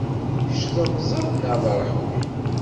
Kečč d amẓad neɣ d aṛeḥwi?